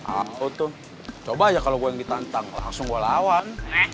aku tuh coba ya kalau gue yang ditantang langsung gue lawan